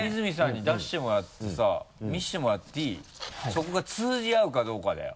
そこが通じ合うかどうかだよ。